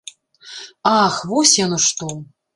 Ах, вось яно што!